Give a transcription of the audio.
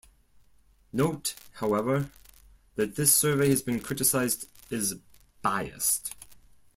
Note, however, that this survey has been criticized as biased.